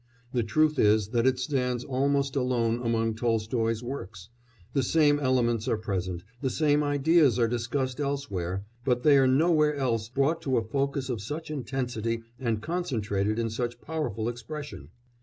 The truth is that it stands almost alone among Tolstoy's works; the same elements are present, the same ideas are discussed else where, but they are nowhere else brought to a focus of such intensity and concentrated in such powerful expression.